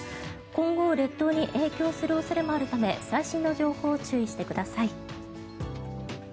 今後、列島に影響する恐れもあるため最新の情報に注意してください。